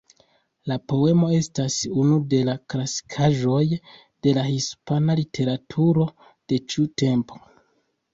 La poemo estas unu de la klasikaĵoj de la hispana literaturo de ĉiu tempo.